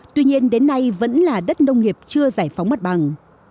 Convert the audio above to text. tuy nhiên đến nay vẫn là đất nông nghiệp chưa giải phóng mặt bằng